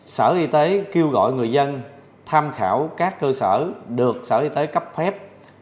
sở y tế kêu gọi người dân tham khảo các cơ sở được sở y tế cấp phép